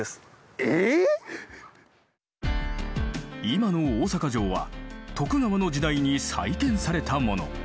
今の大坂城は徳川の時代に再建されたもの。